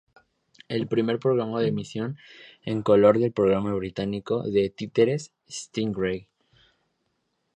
El primer programa de emisión en color el programa británico de títeres ""Stingray"".